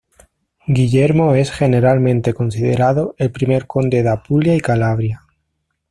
Guillermo es generalmente considerado el primer conde de Apulia y Calabria.